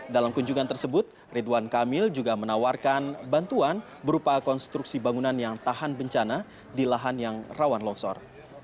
dalam kunjungan tersebut ridwan kamil juga menawarkan bantuan berupa konstruksi bangunan yang tahan bencana di lahan yang rawan longsor